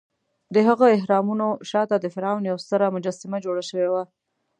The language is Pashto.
دهغه اهرامونو شاته د فرعون یوه ستره مجسمه جوړه شوې وه.